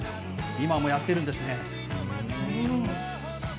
今もやってるんですね。